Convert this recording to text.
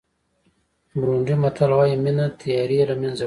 بورونډي متل وایي مینه تیارې له منځه وړي.